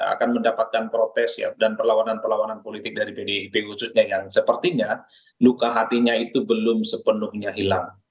akan mendapatkan protes dan perlawanan perlawanan politik dari pdip khususnya yang sepertinya luka hatinya itu belum sepenuhnya hilang